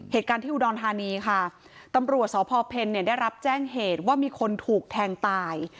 เหตุการณ์ที่อุดรธานีค่ะตำรวจสพเพลเนี่ยได้รับแจ้งเหตุว่ามีคนถูกแทงตาย